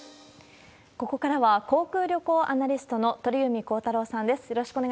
ここからは、航空・旅行アナリストの鳥海高太朗さんです。